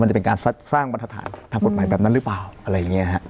จะเป็นการสร้างบรรทฐานทางกฎหมายแบบนั้นหรือเปล่าอะไรอย่างนี้ฮะ